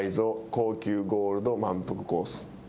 高級ゴールドまんぷくコース。